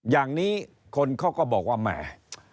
อย่างนี้คนเขาก็บอกว่าแหม